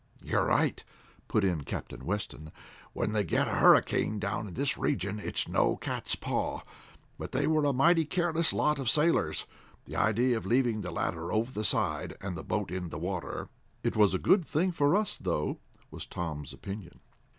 "You're right," put in Captain Weston. "When they get a hurricane down in this region it's no cat's paw. But they were a mighty careless lot of sailors. The idea of leaving the ladder over the side, and the boat in the water." "It was a good thing for us, though," was Tom's opinion.